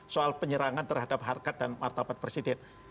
soal penyerangan terhadap harkat dan martabat presiden